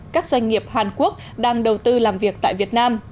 các doanh nghiệp hàn quốc đang đầu tư làm việc tại việt nam